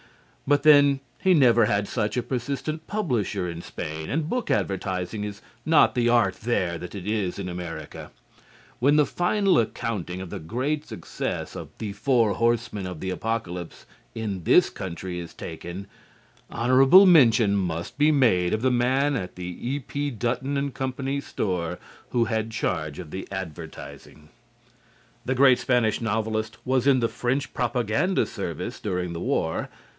But, then, he never had such a persistent publisher in Spain, and book advertising is not the art there that it is in America. When the final accounting of the great success of "The Four Horsemen of the Apocalypse" in this country is taken, honorable mention must be made of the man at the E.P. Dutton & Co. store who had charge of the advertising. The great Spanish novelist was in the French propaganda service during the war.